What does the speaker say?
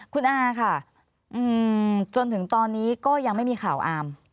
คุณอาค่ะจนถึงตอนนี้ก็ยังไม่มีข่าวอาม